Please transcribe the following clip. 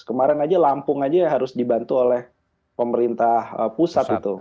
kemarin aja lampung aja harus dibantu oleh pemerintah pusat itu